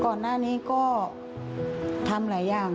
ก่อนหน้านี้ก็ทำหลายอย่าง